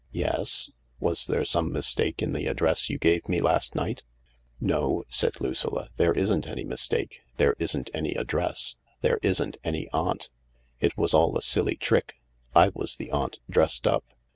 " Yes ? Was there some mistake in the address you gave me last night ?" "No," said Lucilla, "there isn't any mistake; there isn't any address ; there isn't any aunt. It was all a silly trick. I was the aunt, dressed up.